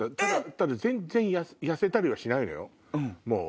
ただ全然痩せたりはしないのよもう。